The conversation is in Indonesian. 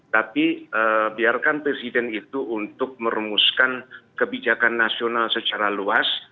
tapi biarkan presiden itu untuk merumuskan kebijakan nasional secara luas